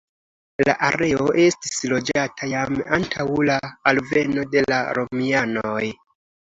La areo estis loĝata jam antaŭ la alveno de la romianoj.